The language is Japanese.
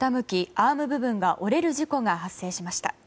アーム部分が折れる事故が発生しました。